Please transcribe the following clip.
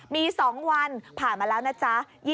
มี๒วันผ่านมาแล้วนะจ๊ะ